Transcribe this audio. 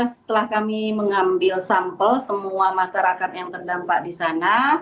setelah kami mengambil sampel semua masyarakat yang terdampak di sana